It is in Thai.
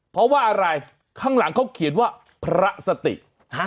เพราะว่าอะไรข้างหลังเขาเขียนว่าพระสติ